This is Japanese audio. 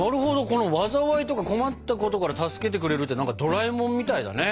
この災いとか困ったことから助けてくれるってドラえもんみたいだね。